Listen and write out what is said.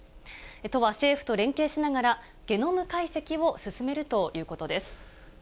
都は政府と連携しながらゲノム解析を進めるということです。